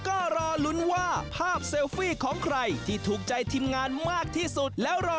ก็รอลุ้นว่าภาพเซลฟี่ของใครที่ถูกใจทีมงานมากที่สุดแล้วรอ